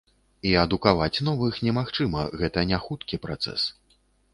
І адукаваць новых немагчыма, гэта не хуткі працэс.